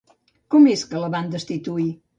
Com és que la van destituir?